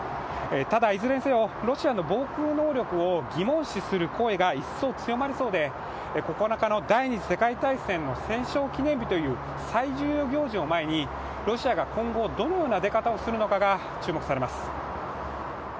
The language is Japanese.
ただ、いずれにせよロシアの防空能力を疑問視する声が一層強まりそうで、９日の第二次世界大戦の戦勝記念日という最重要行事を前にロシアが今後、どのような出方をするのかが注目されます。